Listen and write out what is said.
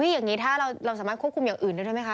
อย่างนี้ถ้าเราสามารถควบคุมอย่างอื่นด้วยได้ไหมคะ